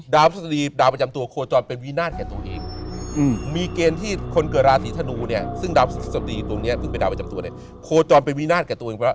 ดาวพฤษฎีดาวประจำตัวโคจรเป็นวินาทแค่ตัวเอง